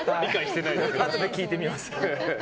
あとで聞いてみます。